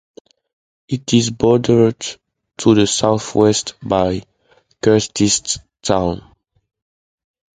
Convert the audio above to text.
It is bordered to the southwest by Kurtistown.